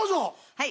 はい。